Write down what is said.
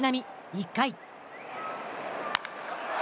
１回。